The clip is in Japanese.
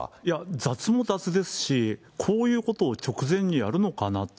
雑も雑ですし、こういうことを直前にやるのかなと。